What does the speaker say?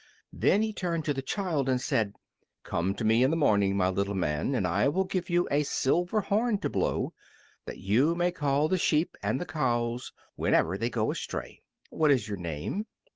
Then he turned to the child and said, "Come to me in the morning, my little man, and I will give you a silver horn to blow, that you may call the sheep and the cows whenever they go astray. What is your name?"